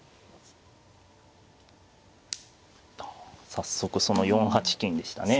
早速その４八金でしたね。